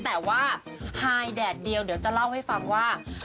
แต่ว่าไฮแดดเดียวเดี๋ยวจะเล่าให้ฟังว่า